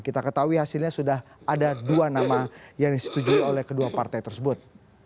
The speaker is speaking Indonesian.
kita ketahui hasilnya sudah ada dua nama yang disetujui oleh kedua partai tersebut